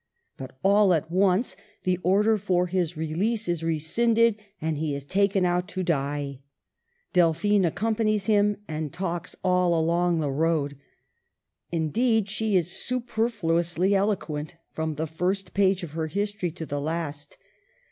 But all at once the order for his release is rescinded and he is taken out to die. Delphine accompanies him, and talks all along the road. Indeed, she is super fluously eloquent, from the first page of her history to the last.